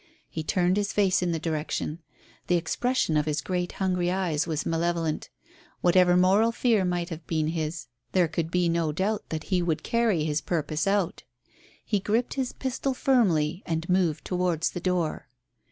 He turned his face in the direction. The expression of his great hungry eyes was malevolent. Whatever moral fear might have been his, there could be no doubt that he would carry his purpose out. He gripped his pistol firmly and moved towards the door.